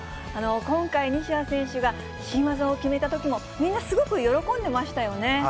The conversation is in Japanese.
今回、西矢選手が新技を決めたときも、みんなすごく喜んでいましたよね。